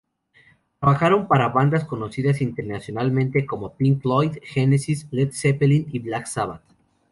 Trabajaron para bandas conocidas internacionalmente, como Pink Floyd, Genesis, Led Zeppelin y Black Sabbath.